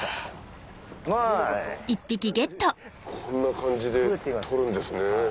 こんな感じで取るんですね。